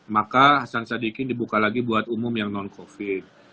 maka hasan sadikin dibuka lagi buat umum yang non covid